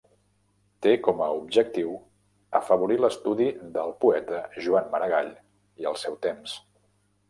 Té com a objectiu afavorir l'estudi del poeta Joan Maragall i el seu temps.